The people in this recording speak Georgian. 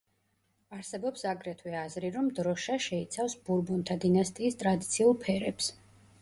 არსებობს აგრეთვე აზრი, რომ დროშა შეიცავს ბურბონთა დინასტიის ტრადიციულ ფერებს.